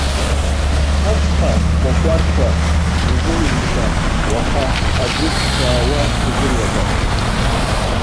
Ацха кәакәарқәа рзылжәышан уаха, аӡәыр дшаауа лдыруазар.